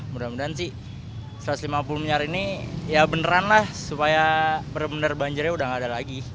mudah mudahan sih satu ratus lima puluh miliar ini ya beneran lah supaya benar benar banjirnya udah nggak ada lagi